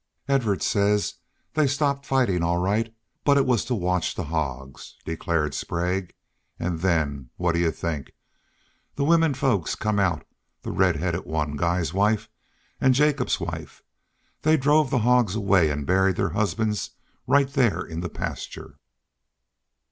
"Evarts says they stopped fightin', all right, but it was to watch the hogs," declared Sprague. "An' then, what d' ye think? The wimminfolks come out the red headed one, Guy's wife, an' Jacobs's wife they drove the hogs away an' buried their husbands right there in the pasture.